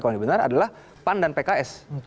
kalau ini benar adalah pan dan pks